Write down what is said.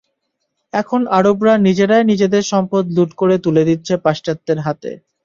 এখন আরবরা নিজেরাই নিজেদের সম্পদ লুট করে তুলে দিচ্ছে পাশ্চাত্যের হাতে।